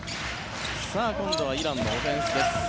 今度はイランのオフェンスです。